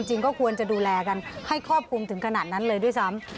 ก็ควรจะดูแลกันให้ครอบคลุมถึงขนาดนั้นเลยด้วยซ้ำ